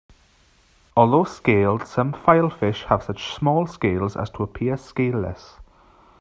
Although scaled, some filefish have such small scales as to appear scaleless.